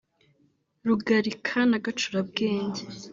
Rugarika na Gacurabwenge